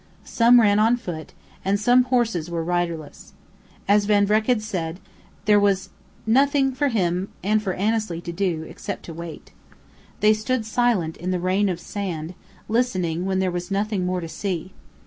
Some ran on foot; and some horses were riderless. As Van Vreck had said, there was nothing for him and for Annesley to do except to wait. They stood silent in the rain of sand, listening when there was nothing more to see.